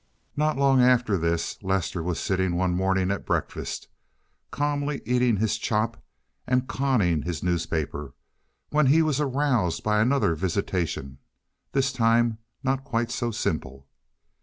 Not long after this Lester was sitting one morning at breakfast, calmly eating his chop and conning his newspaper, when he was aroused by another visitation—this time not quite so simple.